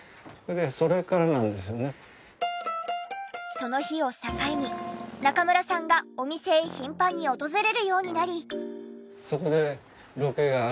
その日を境に中村さんがお店へ頻繁に訪れるようになり。